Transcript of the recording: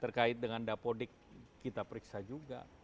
terkait dengan dapodik kita periksa juga